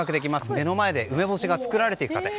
目の前で梅干しが作られている過程。